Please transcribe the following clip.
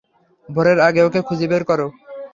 ভোরের আগে ওকে খুঁজে বের কর।